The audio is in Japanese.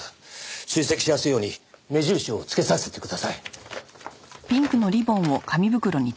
追跡しやすいように目印をつけさせてください。